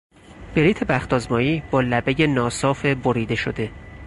بلیط بخت آزمایی با لبهی ناصاف بریده شده